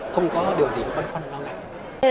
không có điều gì văn phân lo ngại